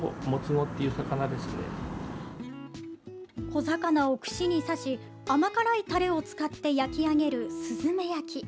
小魚を串に刺し甘辛いタレを使って焼き上げるすずめ焼き。